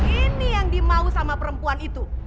ini yang dimau sama perempuan itu